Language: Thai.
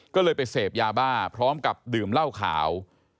ก็เลยไปเสพยาบ้าพร้อมกับดื่มเหล้าขาว